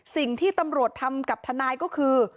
สิ่งที่ตำรวจทำกับทนายก็คือ